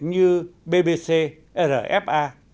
như bbc rfa